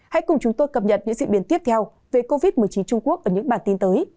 hãy cùng chúng tôi cập nhật những diễn biến tiếp theo về covid một mươi chín trung quốc ở những bản tin tới